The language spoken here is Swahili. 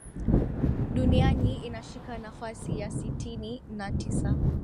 Duniani inashika nafasi ya sitini na tisa